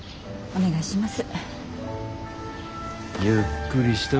お願いします。